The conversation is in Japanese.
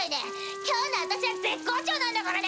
今日の私は絶好調なんだからね！